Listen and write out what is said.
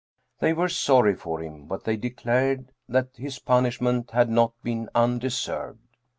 They were sorry for him, but they declared that his punishment had not been undeserved.